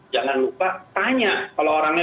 jangan lupa tanya kalau orangnya